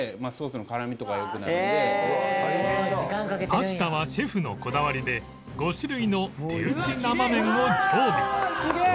パスタはシェフのこだわりで５種類の手打ち生麺を常備